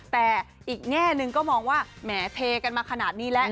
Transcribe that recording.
แต่อีกแง่หนึ่งก็มองว่าแหมเทกันมาขนาดนี้แล้ว